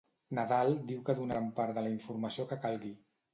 Nadal diu que donaran part de la informació que calgui.